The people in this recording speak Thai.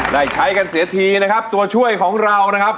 ได้ใช้กันเสียทีนะครับตัวช่วยของเรานะครับ